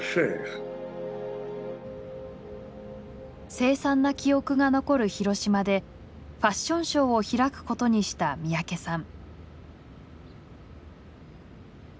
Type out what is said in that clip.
凄惨な記憶が残る広島でファッションショーを開くことにした三宅さん。